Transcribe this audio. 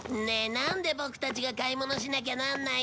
なんでボクたちが買い物しなきゃなんないの？